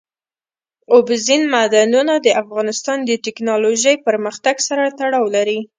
اوبزین معدنونه د افغانستان د تکنالوژۍ پرمختګ سره تړاو لري.